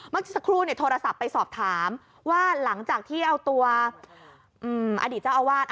สักครู่โทรศัพท์ไปสอบถามว่าหลังจากที่เอาตัวอดีตเจ้าอาวาส